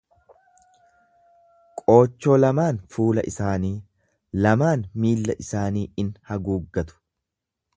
Qoochoo lamaan fuula isaanii, lamaan miilla isaanii in haguuggatu.